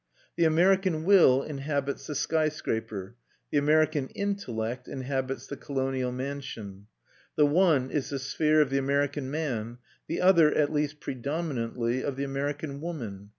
The American Will inhabits the sky scraper; the American Intellect inhabits the colonial mansion. The one is the sphere of the American man; the other, at least predominantly, of the American woman.